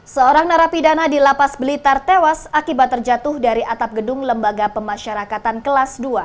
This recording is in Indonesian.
seorang narapidana di lapas blitar tewas akibat terjatuh dari atap gedung lembaga pemasyarakatan kelas dua